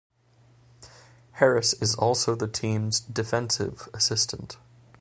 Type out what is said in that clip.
Harris is also the team's defensive assistant.